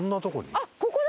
あっここだ！